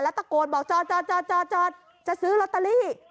ตะโกนบอกจอดจะซื้อลอตเตอรี่